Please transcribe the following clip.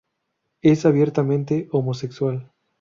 Es abiertamente homosexual.